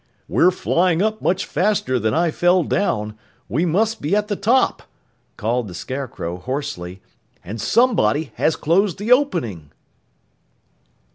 "We're flying up much faster than I fell down. We must be at the top!" called the Scarecrow hoarsely, "and somebody has closed the opening!"